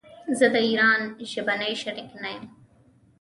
زه د ايران ژبني شريک نه يم.